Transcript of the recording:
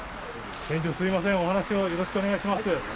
店長すいません、お話をよろしくお願いします。